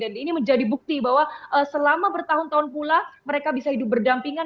dan ini menjadi bukti bahwa selama bertahun tahun pula mereka bisa hidup berdampingan